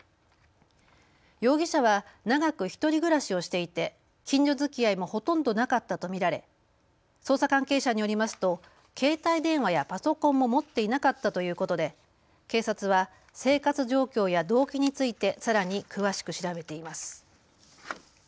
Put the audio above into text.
容疑者は長く１人暮らしをしていて、近所づきあいもほとんどなかったと見られ捜査関係者によりますと携帯電話やパソコンも持っていなかったということで警察は生活状況や動機についてさらに詳しく調べています。